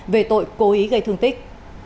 về tội cố ý gây thương tích